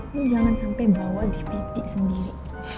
lo jangan sampai bawa di pd sendiri